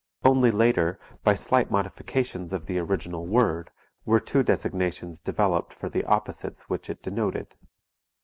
Only later, by slight modifications of the original word, were two designations developed for the opposites which it denoted.